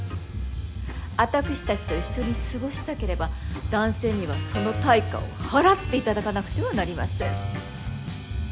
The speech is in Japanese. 私たちと一緒に過ごしたければ男性にはその対価を払って頂かなくてはなりません。